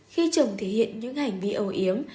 khi chồng thể hiện những hành vi âu yếm